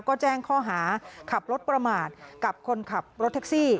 ก็แจ้งข้อหาขับรถประมาทกับคนขับรถแท็กซี่